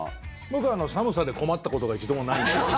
僕、寒さで困ったことが一度もない。